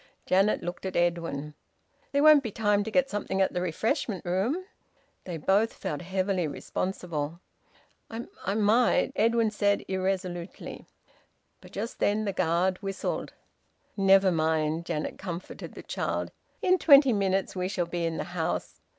Janet looked at Edwin. "There won't be time to get something at the refreshment room?" They both felt heavily responsible. "I might " Edwin said irresolutely. But just then the guard whistled. "Never mind!" Janet comforted the child. "In twenty minutes we shall be in the house...